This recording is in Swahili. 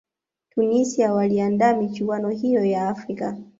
tunisia waliandaa michuano hiyo ya afrika